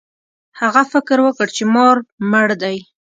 هغه فکر وکړ چې مار مړ دی.